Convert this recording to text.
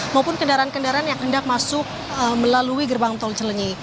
maupun kendaraan kendaraan yang hendak masuk melalui gerbang tol cilenyi